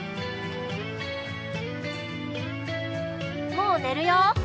・もうねるよ。